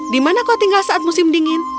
di mana kau tinggal saat musim dingin